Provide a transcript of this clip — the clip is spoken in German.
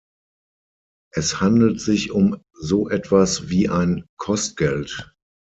Es handelt sich um so etwas wie ein Kostgeld.